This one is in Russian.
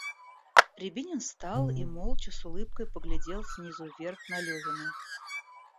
Рябинин встал и молча с улыбкой поглядел снизу вверх на Левина.